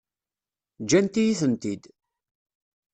Ǧǧant-iyi-tent-id.